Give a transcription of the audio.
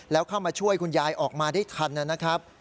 มาช่วยคุณยายออกมาได้ทันนะครับ